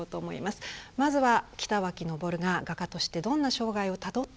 まずは北脇昇が画家としてどんな生涯をたどったのか。